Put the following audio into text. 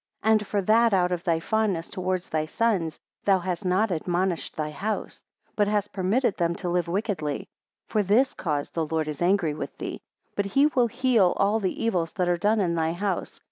22 And for that out of thy fondness towards thy sons, thou hast not admonished thy house, but hast permitted them to live wickedly; for this cause the Lord is angry with thee: but he will heal all the evils that are done in thy house.